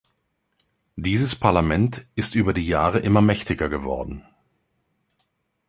Dieses Parlament ist über die Jahre immer mächtiger geworden.